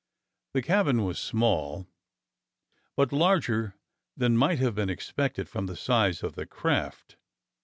The cabin was small, but larger than might have been expected from the size of the craft.